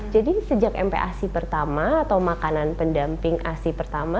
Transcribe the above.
sejak mpac pertama atau makanan pendamping asi pertama